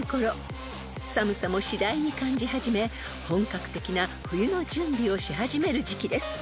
［寒さもしだいに感じ始め本格的な冬の準備をし始める時期です］